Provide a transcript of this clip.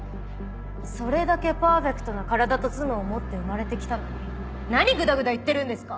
それだけパーフェクトな体と頭脳を持って生まれて来たのに何ぐだぐだ言ってるんですか？